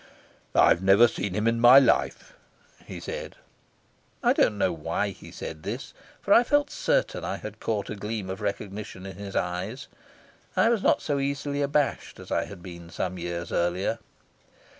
"I've never seen him in my life," he said. I do not know why he said this, for I felt certain I had caught a gleam of recognition in his eyes. I was not so easily abashed as I had been some years earlier.